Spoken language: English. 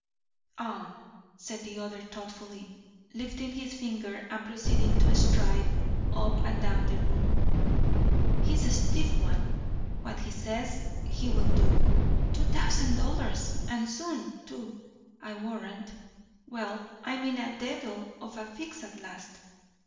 "Ah!" said the other thoughtfully, lifting his finger and proceeding to stride up and down the room. "He's a stiff one. What he says, he will do. Two thousand dollars! and soon, too, I warrant. Well, I'm in a devil of a fix at last."